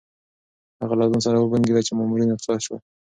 هغه له ځان سره وبونګېده چې مامورین رخصت شول.